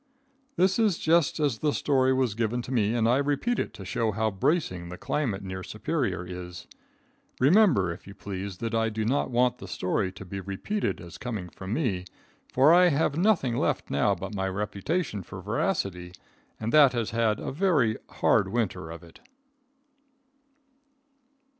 This is just as the story was given to me and I repeat it to show how bracing the climate near Superior is. Remember, if you please, that I do not want the story to be repeated as coming from me, for I have nothing left now but my reputation for veracity, and that has had a very hard winter of it.